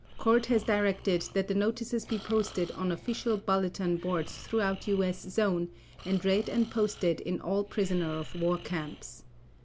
Court has directed that the notices be posted on official bulletin boards throughout US Zone and read and posted in all prisoner of war camps.